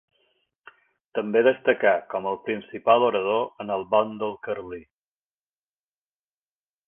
També destacà com el principal orador en el bàndol carlí.